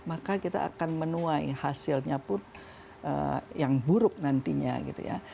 maka kita akan menuai hasilnya pun yang buruk nantinya gitu ya